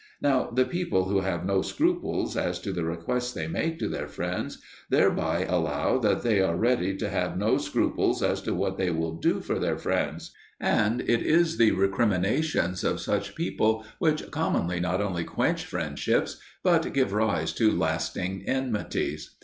Now the people who have no scruples as to the requests they make to their friends, thereby allow that they are ready to have no scruples as to what they will do for their friends; and it is the recriminations of such people which commonly not only quench friendships, but give rise to lasting enmities.